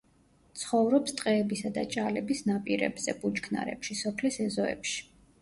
ცხოვრობს ტყეებისა და ჭალების ნაპირებზე, ბუჩქნარებში, სოფლის ეზოებში.